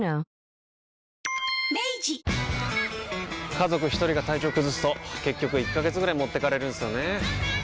家族一人が体調崩すと結局１ヶ月ぐらい持ってかれるんすよねー。